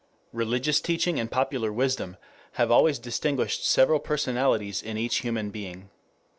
Religious teaching and popular wisdom have always distinguished several personalities in each human being.